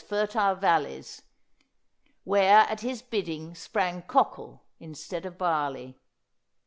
fertile valleys, where at his bidding sprang cockle instead of barley.